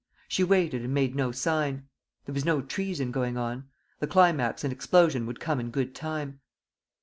She waited and made no sign. There was treason going on. The climax and explosion would come in good time.